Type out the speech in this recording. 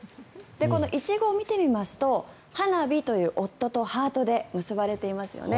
このイチゴを見てみますとはなびという夫とハートで結ばれていますよね。